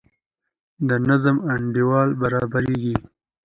د نظم انډول برابریږي.